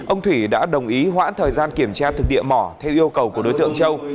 ông thủy đã đồng ý hoãn thời gian kiểm tra thực địa mỏ theo yêu cầu của đối tượng châu